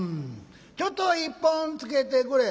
ちょっと一本つけてくれ」。